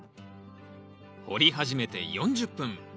掘り始めて４０分。